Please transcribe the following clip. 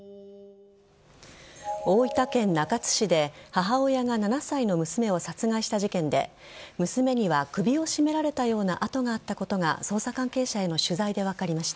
大分県中津市で母親が７歳の娘を殺害した事件で娘には首を絞められたような痕があったことが捜査関係者への取材で分かりました。